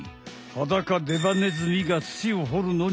ハダカデバネズミが土を掘るのにつかうのは